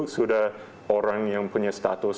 sudah orang yang punya status